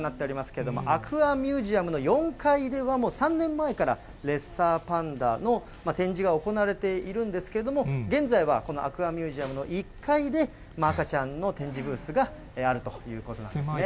こちらのアクアミュージアムの４階では、もう３年前からレッサーパンダの展示が行われているんですけれども、現在はこのアクアミュージアムの１階で、赤ちゃんの展示ブースがあるということなんですね。